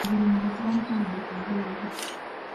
Buli muguzi baamusalidde ku bbeeyi.